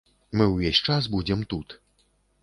Мы ўвесь час будзем тут.